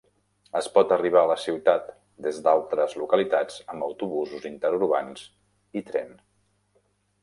Es pot arribar a la ciutat des d'altres localitats amb autobusos interurbans i tren.